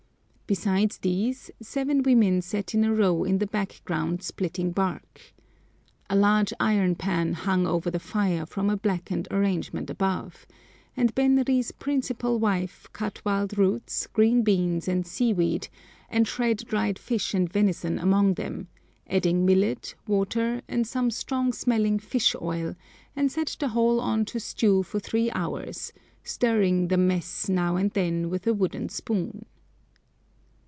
Besides these, seven women sat in a row in the background splitting bark. A large iron pan hung over the fire from a blackened arrangement above, and Benri's principal wife cut wild roots, green beans, and seaweed, and shred dried fish and venison among them, adding millet, water, and some strong smelling fish oil, and set the whole on to stew for three hours, stirring the "mess" now and then with a wooden spoon.